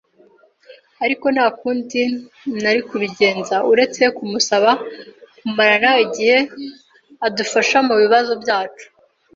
ariko nta kundi nari kubigenza uretse kumusaba kumarana igihe adufasha mubibazo byacu.